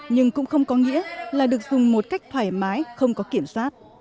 nhưng cũng không có nghĩa là được dùng một cách thoải mái không có kiểm soát